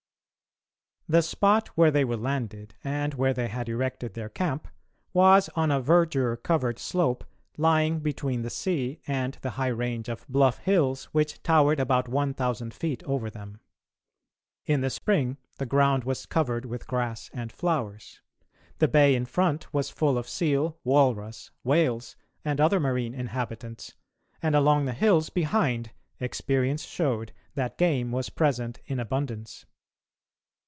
The spot where they were landed, and where they had erected their camp, was on a verdure covered slope lying between the sea and the high range of bluff hills which towered about 1000 feet over them. In the spring the ground was covered with grass and flowers; the bay in front was full of seal, walrus, whales, and other marine inhabitants, and along the hills behind experience showed that game was present in abundance.